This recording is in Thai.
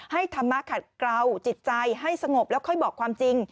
ธรรมะขัดเกลาจิตใจให้สงบแล้วค่อยบอกความจริง